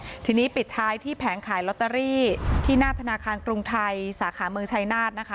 ทีนี้ปิดท้ายที่แผงขายลอตเตอรี่ที่หน้าธนาคารกรุงไทยสาขาเมืองชายนาฏนะคะ